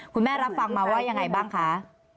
คุณแม่รับฟังมาว่ายังไงบ้างคะ